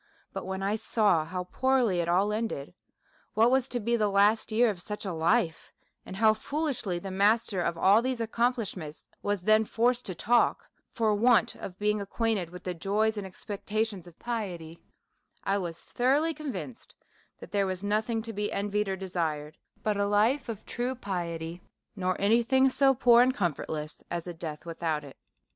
But, when I saw how poorly it all ended, what was to be the last year of such a life, and how foolishly the master of all these accomplishments was then forced to talk, for want of being acquainted with the joys and expectations of piety : i was thoroughly convinced that there v/as nothing to be envied or de sired but a life of true piety ; nor any thing so poor and comfortless as a death without it."